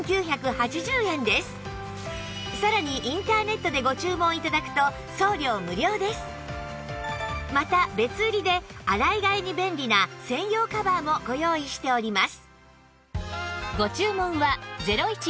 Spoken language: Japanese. さらにまた別売りで洗い替えに便利な専用カバーもご用意しております